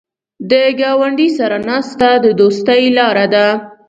د ګاونډي سره ناسته د دوستۍ لاره ده